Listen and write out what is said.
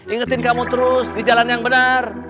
ingetin kamu terus di jalan yang benar